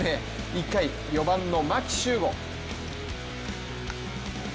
１回、４番の牧秀悟。